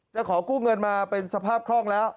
จะขอกู้เงินมาเป็นสภาพคล่องแล้ว